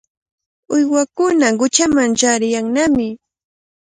Uywakuna quchaman chaariyannami.